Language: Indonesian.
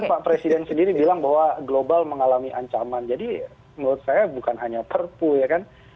pak presiden sendiri bilang bahwa global mengalami ancaman jadi menurut saya bukan hanya perpu ya kan